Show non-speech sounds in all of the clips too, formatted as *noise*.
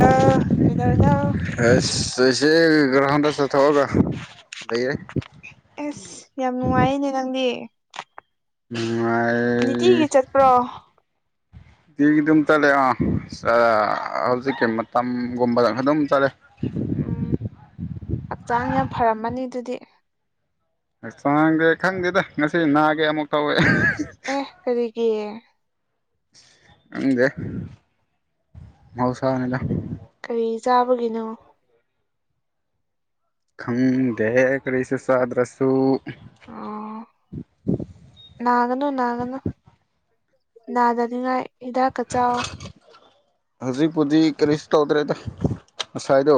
ꯑ ꯀꯗꯅꯣ ꯑꯁ ꯏꯆꯦ ꯒ꯭ꯔꯍꯟꯗ ꯆꯠꯊꯣꯛꯑꯒ ꯂꯩꯔꯦ ꯑꯁ ꯌꯥꯝ ꯅꯨꯡꯉꯥꯏꯔꯅꯦ ꯅꯪꯗꯤ ꯅꯨꯡꯥꯏ ꯅꯤꯇꯤꯒꯤ ꯆꯠꯄ꯭ꯔꯣ ꯗꯤ ꯑꯗꯨꯝ ꯆꯠꯂꯦ ꯑꯥ ꯍꯧꯖꯤꯛꯀꯤ ꯃꯇꯝꯒꯨꯝꯕꯗꯪ ꯑꯗꯨꯝ ꯆꯠꯂꯦ ꯎꯝ ꯍꯛꯆꯥꯡ ꯌꯥꯝ ꯐꯔꯝꯃꯅꯤ ꯑꯗꯨꯗꯤ ꯆꯥꯡꯗꯦ ꯈꯪꯗꯦꯗ ꯉꯁꯤ ꯅꯥꯒꯦ ꯑꯃꯨꯛ ꯇꯧꯋꯦ ꯑꯦꯍ ꯀꯔꯤꯒꯤ ꯍꯪꯗꯦ ꯃꯧꯁꯅꯂ ꯀꯔꯤ ꯆꯥꯕꯒꯤꯅꯣ ꯈꯪ ꯗꯦ ꯀ꯭ꯔꯤꯁꯤꯁꯨꯗ꯭ꯔꯁꯨꯁꯨ ꯑꯥ ꯅꯥꯒꯅꯨ ꯅꯥꯒꯅꯨ ꯅꯥꯗꯅꯤꯉꯥꯏ ꯍꯤꯗꯥꯛꯀ ꯆꯥꯎ ꯍꯧꯖꯤꯛꯄꯨꯗꯤ ꯀꯔꯤꯁꯨ ꯇꯧꯗ꯭ꯔꯦꯗ ꯉꯁꯥꯏꯗꯣ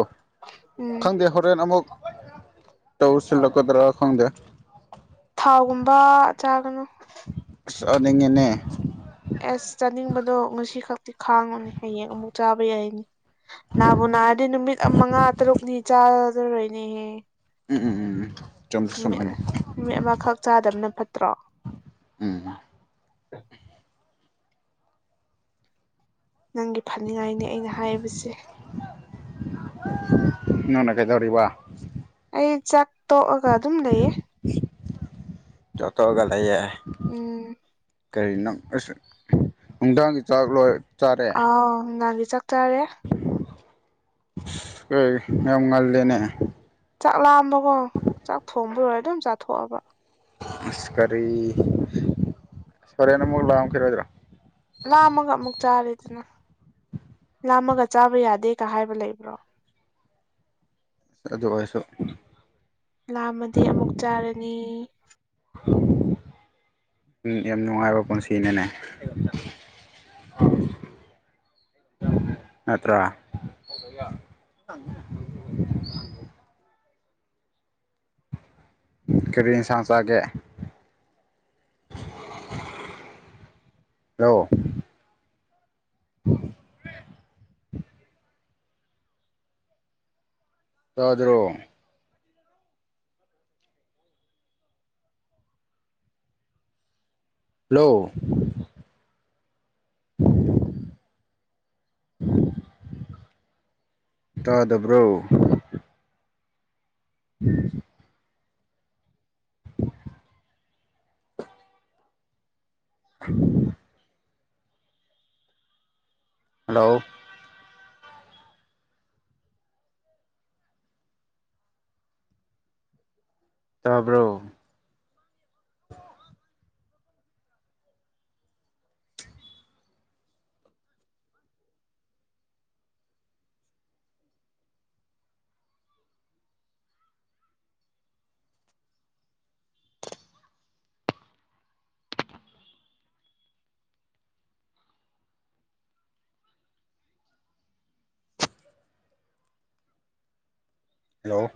ꯎꯝ ꯈꯪꯗꯦ ꯍꯣꯔꯦꯟ ꯑꯃꯨꯛ ꯇꯧꯔꯁꯤ ꯂ ꯇꯔꯈꯣꯡꯗ ꯊꯥꯎꯒꯨꯝꯕ ꯆꯥꯒꯅꯨ ꯅꯤꯡꯉꯅꯦ ꯑꯦꯁ ꯆꯥꯅꯤꯡꯕꯗꯣ ꯉꯁꯤ ꯈꯛꯇꯤ ꯈꯥꯡꯉꯨꯅꯦ ꯍꯌꯦꯡ ꯑꯃꯨꯛ ꯆꯥꯕ ꯌꯥꯏꯅꯤ ꯅꯥꯕꯨ ꯅꯥꯔꯗꯤ ꯅꯨꯃꯤꯠ ꯃꯉꯥ ꯇꯔꯨꯛꯅꯤ ꯆꯥꯗꯔꯣꯏꯅꯦꯍꯦ ꯎꯝ ꯎꯝ ꯎꯝ ꯎꯝ ꯅꯨꯃꯤꯠ ꯅꯨꯃꯤꯠ ꯑꯃꯈꯛ ꯆꯥꯗꯕꯅ ꯐꯠꯇ꯭ꯔꯣ ꯎꯝ ꯅꯪꯒꯤ ꯐꯅꯤꯡꯉꯥꯏꯅꯤ ꯑꯩꯅ ꯍꯥꯏꯔꯤꯕꯁꯦ ꯅꯅ ꯀꯩꯗꯧꯔꯤꯕ ꯑꯩ ꯆꯥꯛ ꯇꯣꯛꯑꯒ ꯑꯗꯨꯝ ꯂꯩꯌꯦ ꯆꯇꯣꯒ ꯂꯩ ꯎꯝ ꯀꯔꯤꯅ ꯅꯨꯡꯗꯥꯡꯒꯤ ꯆꯥꯛ ꯂꯣꯏ ꯑ ꯉꯥꯟꯗꯤ ꯆꯠꯇꯥꯥꯔꯦ ꯀꯣꯏ ꯌꯥꯝ ꯉꯜꯗꯦꯅꯦ ꯆꯥꯛ ꯂꯥꯑꯝꯕꯀꯣ ꯆꯥꯛ ꯊꯣꯡꯕꯔꯣꯏ ꯑꯗꯨꯝ ꯆꯥꯊꯣꯛꯑꯕ ꯑꯁ ꯀꯔꯤ ꯁꯀꯔꯤꯦꯅ ꯃꯨꯛ ꯂꯥꯛꯑꯝꯈꯤꯔꯣꯏꯗ꯭ꯔꯣ ꯂꯥꯝꯃꯒ ꯑꯃꯨꯛ ꯆꯥꯔꯦꯗꯅ ꯂꯥꯝꯃꯒ ꯆꯥꯕ ꯌꯥꯗꯦꯒ ꯍꯥꯏꯕ ꯂꯩꯕ꯭ꯔꯣ ꯑꯗꯨ ꯑꯣꯏꯔꯁꯨ ꯂꯥꯝꯃꯗꯤ ꯑꯃꯨꯛ ꯆꯥꯔꯅꯤ ꯌꯥꯝ ꯅꯨꯡꯉꯥꯏꯕ ꯄꯨꯟꯁꯤꯅꯅꯦ ꯅꯠꯇ꯭ꯔꯥ *inaudible* ꯀꯔꯤ ꯁꯥꯁꯒꯦ ꯍꯂꯣ ꯆꯥꯗ꯭ꯔꯣ ꯍꯂꯣ *inaudible* ꯎꯝ ꯇꯥꯗꯕ꯭ꯔꯣ ꯎꯝ ꯎ ꯍꯜꯂꯣ ꯇꯥꯕ꯭ꯔꯣ ꯍꯜꯂꯣ